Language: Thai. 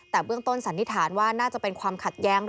แต่เบื้องต้นสันนิษฐานว่าน่าจะเป็นความขัดแย้ง